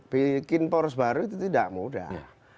bikin poros baru itu tidak mudah